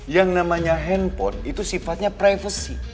yang namanya handphone itu sifatnya privacy